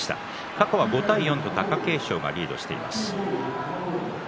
過去は５対４と貴景勝がリードしています。